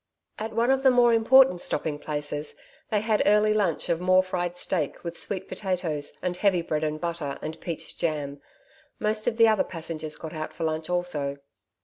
At one of the more important stopping places, they had early lunch of more fried steak, with sweet potatoes and heavy bread and butter and peach jam. Most of the other passengers got out for lunch also.